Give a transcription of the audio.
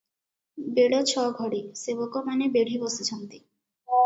ବେଳ ଛ ଘଡି, ସେବକମାନେ ବେଢ଼ି ବସିଛନ୍ତି ।